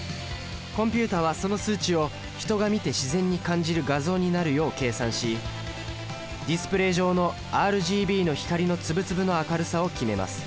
コンピュータはその数値を人が見て自然に感じる画像になるよう計算しディスプレイ上のＲＧＢの光の粒々の明るさを決めます。